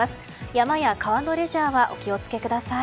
山や川のレジャーはお気を付けください。